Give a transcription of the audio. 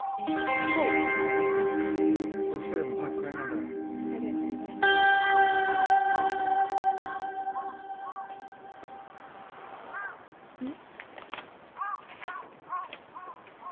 はい何とかじゃあ２人も早く帰りなさいありがとうございますうん？